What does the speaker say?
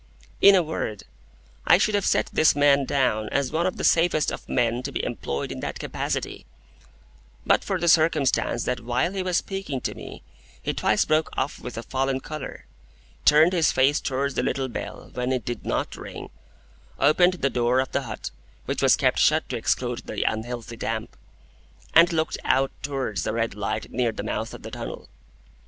In a word, I should have set this man down as one of the safest of men to be employed in that capacity, but for the circumstance that while he was speaking to me he twice broke off with a fallen colour, turned his face towards the little bell when it did NOT ring, opened the door of the hut (which was kept shut to exclude the unhealthy damp), and looked out towards the red light near the mouth of the tunnel.